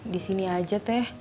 di sini aja teh